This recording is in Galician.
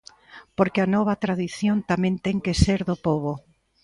Porque a nova tradición tamén ten que ser do pobo.